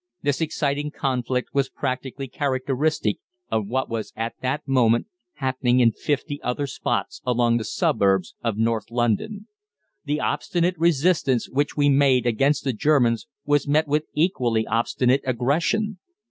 This exciting conflict was practically characteristic of what was at that moment happening in fifty other spots along the suburbs of North London. The obstinate resistance which we made against the Germans was met with equally obstinate aggression.